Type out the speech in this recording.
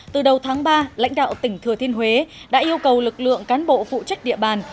từ đầu tháng ba lãnh đạo tỉnh thừa thiên huế đã yêu cầu lực lượng cán bộ phụ trách địa bàn